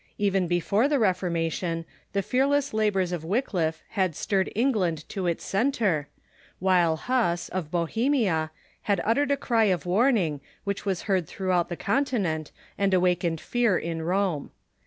Even before the Reformation, the fearless labors of \yycliffe had Europe in the 'Stirred England to its centre, while Huss, of Bohe Sixteenth Cen mia, had Uttered a cry of warning Avhicli was heard "'^ throughout the Continent and awakened fear in Rome.